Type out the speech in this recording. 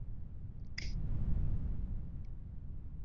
巴罗杜罗是巴西皮奥伊州的一个市镇。